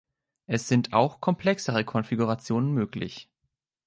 Es sind auch komplexere Konfigurationen möglich.